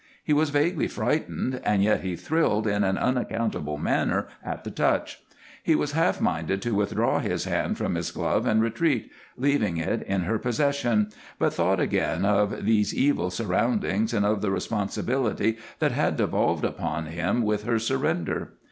He was vaguely frightened, and yet he thrilled in an unaccountable manner at the touch. He was half minded to withdraw his hand from his glove and retreat, leaving it in her possession, but thought again of these evil surroundings, and of the responsibility that had devolved upon him with her surrender.